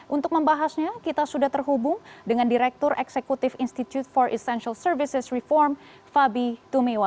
untuk membahasnya kita sudah terhubung dengan direktur eksekutif institute for essential services reform fabi tumewa